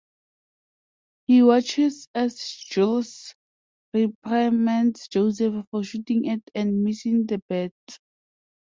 He watches as Jules reprimands Joseph for shooting at and missing the birds.